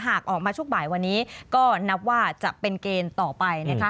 หากออกมาช่วงบ่ายวันนี้ก็นับว่าจะเป็นเกณฑ์ต่อไปนะคะ